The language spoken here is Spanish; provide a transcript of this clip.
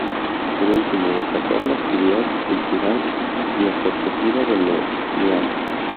Por último, destacar la actividad cultural y asociativa de Meliana.